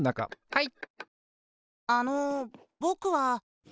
はい。